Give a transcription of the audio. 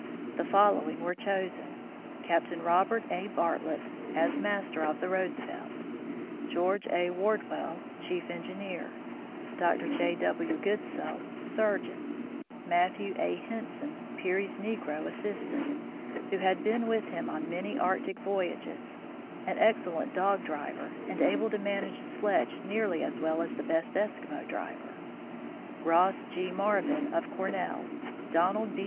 The following were chosen : Captain Robert A. Bartlett, as master of the Roosevelt ; George A. Wardwell, chief engineer ; Dr. J. W. Goodsell, surgeon ; Matthew A. Henson, Peary's negro assistant, who had been with him on many Arctic voyages, an ex cellent dog driver, and able to manage a sledge nearly as well as the best Eskimo driver; Ross G. Marvin of Cor nell, Donald B.